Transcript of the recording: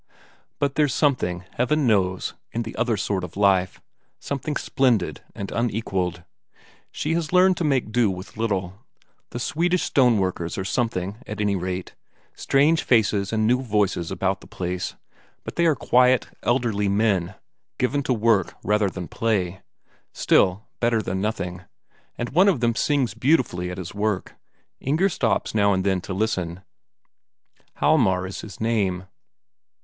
But there's something, Heaven knows, in the other sort of life, something splendid and unequalled. She has learned to make do with little; the Swedish stoneworkers are something, at any rate; strange faces and new voices about the place, but they are quiet, elderly men, given to work rather than play. Still, better than nothing and one of them sings beautifully at his work; Inger stops now and again to listen. Hjalmar is his name.